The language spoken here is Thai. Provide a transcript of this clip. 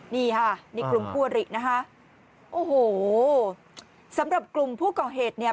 นี่ค่ะนี่กลุ่มคั่วหรี่นะคะโอ้โหสำหรับกลุ่มผู้ก่อเหตุเนี่ย